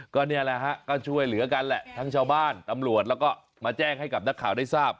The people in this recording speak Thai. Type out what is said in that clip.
ก็นี่แหละฮะก็ช่วยเหลือกันแหละทั้งชาวบ้านตำรวจแล้วก็มาแจ้งให้กับนักข่าวได้ทราบ